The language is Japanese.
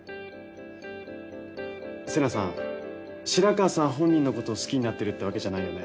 瀬那さん白川さん本人のことを好きになってるってわけじゃないよね？